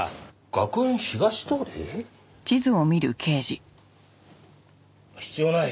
学園東通り？必要ない。